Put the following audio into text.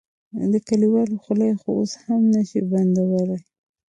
د کليوالو خولې خو اوس هم نه شې بندولی.